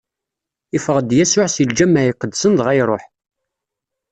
Iffeɣ-d Yasuɛ si lǧameɛ iqedsen dɣa iṛuḥ.